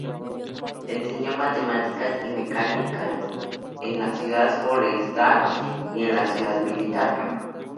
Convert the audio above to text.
Enseñó matemáticas y mecánica en la escuela forestal y en la escuela militar.